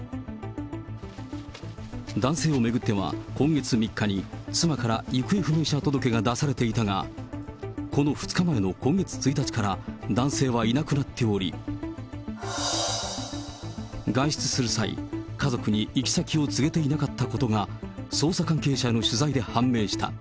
男性を巡っては、今月３日に妻から行方不明者届が出されていたが、この２日前の今月１日から男性はいなくなっており、外出する際、家族に行き先を告げていなかったことが捜査関係者への取材で判明した。